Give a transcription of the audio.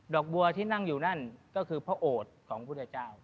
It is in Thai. อกบัวที่นั่งอยู่นั่นก็คือพระโอดของพุทธเจ้า